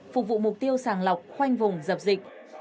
phục vụ mục tiêu sàng lọc khoanh vùng dập dịch